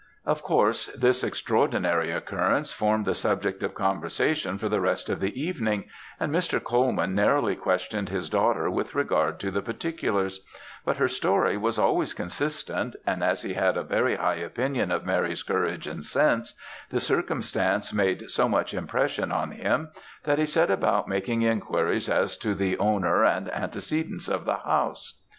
"Of course this extraordinary occurrence formed the subject of conversation for the rest of the evening, and Mr. Colman narrowly questioned his daughter with regard to the particulars; but her story was always consistent, and as he had a very high opinion of Mary's courage and sense, the circumstance made so much impression on him, that he set about making enquiries as to the owner and antecedents of the house.